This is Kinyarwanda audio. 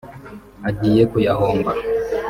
agiye kuyahomba